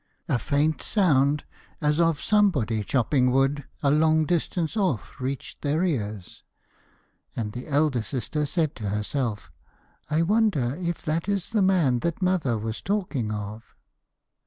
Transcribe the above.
A faint sound as of somebody chopping wood a long distance off reached their ears, and the elder sister said to herself, 'I wonder if that is the man that mother was talking of.'